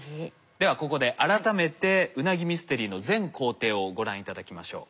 ではここで改めてウナギミステリーの全行程をご覧頂きましょう。